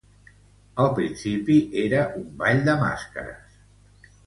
Al principi era un ball de màscares.